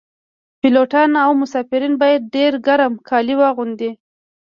پیلوټان او مسافرین باید ډیر ګرم کالي واغوندي